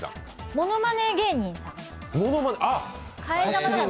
ものまね芸人さん？